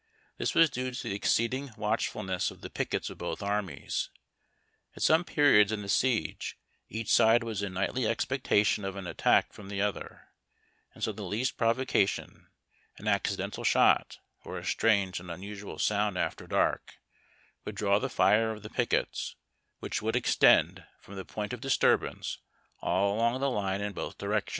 Tins was due to the exceeding watchfulness of the pickets of both armies. At some periods in the siege each side was in nightly expectation of an attack from the other, and so the least provocation — an accidental shot, or a strange and unusual sound after dark — would draw the fire of the pickets, which would extend from the point of disturbance all along the line in both directions.